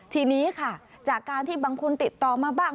ทีนี้ค่ะจากการที่บางคนติดต่อมาบ้าง